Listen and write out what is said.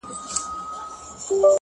دا ناځوانه نور له كاره دى لوېــدلى؛